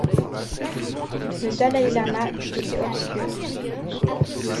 Le DalaïLama du côté obscur.